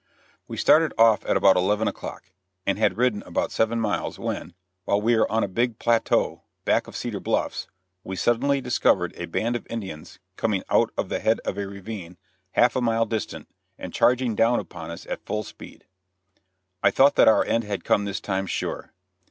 We started off at about eleven o'clock, and had ridden about seven miles when while we were on a big plateau, back of Cedar Bluffs we suddenly discovered a band of Indians coming out of the head of a ravine, half a mile distant, and charging down upon us at full speed. I thought that our end had come this time, sure.